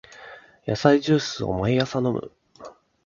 野菜ジュースを毎朝飲む